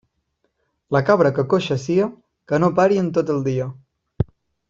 La cabra que coixa sia, que no pari en tot el dia.